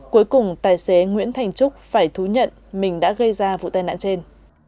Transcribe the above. cuối cùng tài xế nguyễn thành trúc phải thú nhận mình đã gây ra vụ tai nạn trên